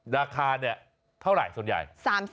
ราคาเท่าไรส่วนใหญ่